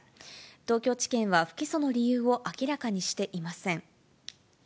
東京地検は不起訴の理由を明らかにしていません。